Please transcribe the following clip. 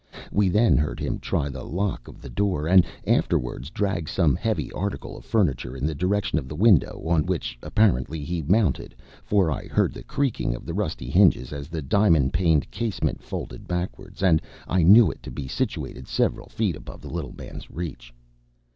We then heard him try the lock of the door, and afterwards drag some heavy article of furniture in the direction of the window, on which, apparently, he mounted, for I heard the creaking of the rusty hinges as the diamond paned casement folded backwards, and I knew it to be situated several feet above the little man's reach.